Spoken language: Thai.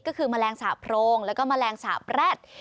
ก็คือแมลงสาปโพรงแล้วก็แมลงสาบแร็ด